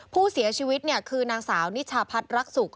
ผู้เสียชีวิตคือนางสาวนิชาพัฒน์รักสุข